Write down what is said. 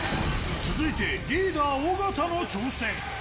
続いてリーダー、尾形の挑戦。